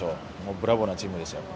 ブラボーなチームでしょう。